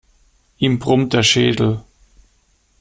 Ihm brummt der Schädel.